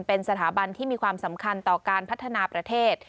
เป็นสถาบันที่มีความสำคัญต่อการพัฒนาประเทศ